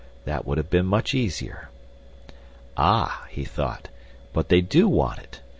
That would have been much easier. Ah, he thought, but they do want it.